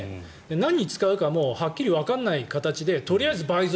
何に使うのかもはっきりわからない形でとりあえず倍増。